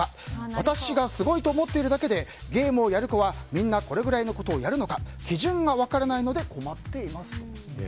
私がすごいと思っているだけでゲームをやる子は、みんなこれぐらいのことをやるのか基準が分からないので困っていますと。